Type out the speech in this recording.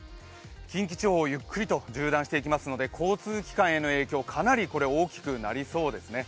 近畿地方をゆっくりと縦断していきますので交通機関への影響、かなり大きくなりそうですね。